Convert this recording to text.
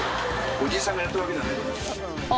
おじいさんからやってるわけじゃないから。